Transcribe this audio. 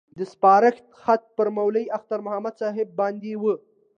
دا سپارښت خط پر مولوي اختر محمد صاحب باندې وو.